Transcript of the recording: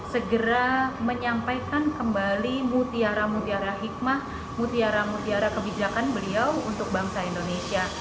segera menyampaikan kembali mutiara mutiara hikmah mutiara mutiara kebijakan beliau untuk bangsa indonesia